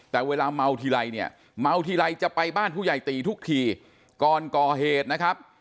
แต่เวลาเมาทีไรเนี่ยเมาทีไรจะไปบ้านผู้ใหญ่ตีทุกทีก่อนก่อเหตุนะครับ